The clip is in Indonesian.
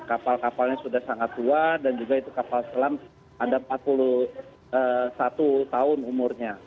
kapal kapalnya sudah sangat tua dan juga itu kapal selam ada empat puluh satu tahun umurnya